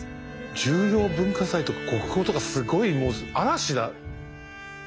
重要文化財とか国宝とかすごいもう嵐だ。